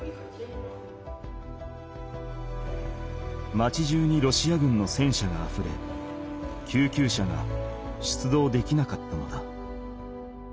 町じゅうにロシア軍の戦車があふれ救急車が出動できなかったのだ。